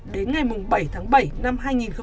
đến ngày bảy tháng bảy năm hai nghìn hai mươi